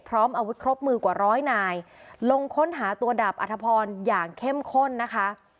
พร้อมอาวุธครบมือกว่าร้อยนายลงค้นหาตัวดาบอัธพรอย่างเข้มข้นนะคะ